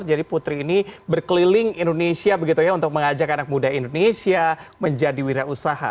jadi putri ini berkeliling indonesia begitu ya untuk mengajak anak muda indonesia menjadi wira usaha